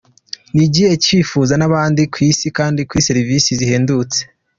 Ni igihe cyo kwihuza n’ahandi ku Isi kandi kuri serivisi zihendutse”.